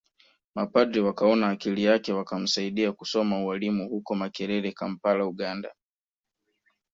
Mapadre wakaona akili yake wakamsaidia kusoma ualimu huko Makerere Kampala Uganda